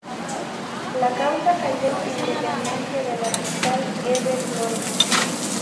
La causa cayó en dependencia de la fiscal Eve Flores.